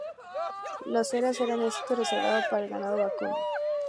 Las eras eran el sitio reservado para el ganado vacuno.